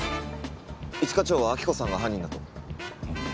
一課長は亜希子さんが犯人だと？